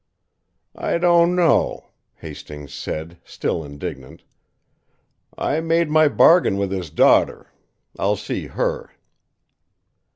"I don't know," Hastings said, still indignant. "I made my bargain with his daughter. I'll see her."